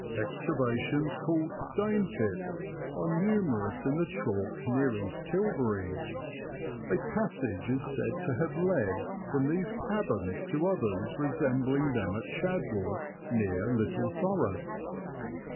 "Excavations called Dane pits are numerous in the chalk near East Tilbury. A passage is said to have led from these caverns to others resembling them at Chadwell near Little Thurrock."